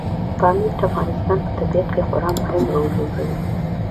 پامیر د افغانستان په طبیعت کې خورا مهم رول لوبوي.